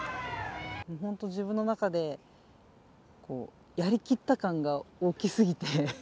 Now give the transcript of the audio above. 本当、自分の中でこう、やりきった感が大きすぎて。